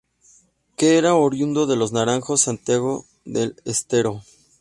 Que era oriundo de los Naranjos, Santiago del Estero.